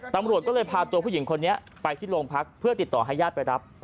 ตำรวจก็เลยพาตัวผู้หญิงคนนี้ไปที่โรงพักเพื่อติดต่อให้ญาติไปรับ